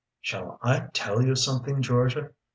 "Shall I tell you something, Georgia?"